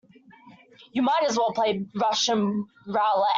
You might as well play Russian roulette.